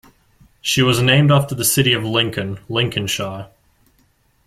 She was named after the city of Lincoln, Lincolnshire.